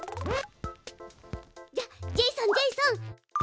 じゃあジェイソンジェイソン！